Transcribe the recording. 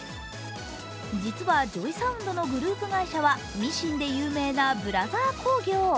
実は、ＪＯＹＳＯＵＮＤのグループ会社はミシンで有名なブラザー工業。